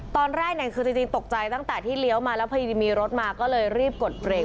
ตอนแรกคือจริงตกใจตั้งแต่ที่เลี้ยวมาแล้วพอดีมีรถมาก็เลยรีบกดเบรก